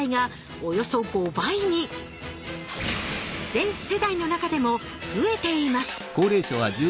全世代の中でも増えています